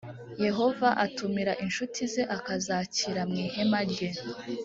yehova atumira inshuti ze akazakira mu ihema rye